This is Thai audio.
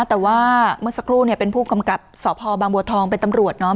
แต่ว่าเมื่อสักครู่เป็นผู้กำกับสพบางบัวทองเป็นตำรวจเนาะ